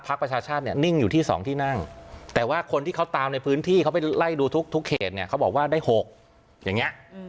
ประชาชาติเนี่ยนิ่งอยู่ที่๒ที่นั่งแต่ว่าคนที่เขาตามในพื้นที่เขาไปไล่ดูทุกเขตเนี่ยเขาบอกว่าได้๖อย่างนี้